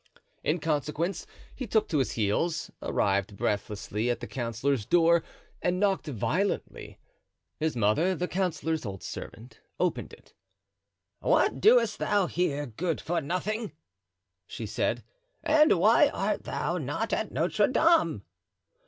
In consequence he took to his heels, arrived breathlessly at the councillor's door, and knocked violently. His mother, the councillor's old servant, opened it. "What doest thou here, good for nothing?" she said, "and why art thou not at Notre Dame?"